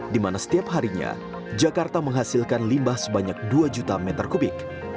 di mana setiap harinya jakarta menghasilkan limbah sebanyak dua juta meter kubik